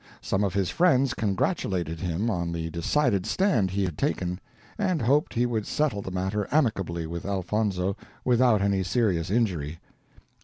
Some of his friends congratulated him on the decided stand he had taken, and hoped he would settle the matter amicably with Elfonzo, without any serious injury.